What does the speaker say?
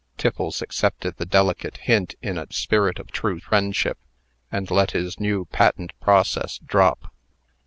Tiffles accepted the delicate hint in a spirit of true friendship, and let his new patent process drop.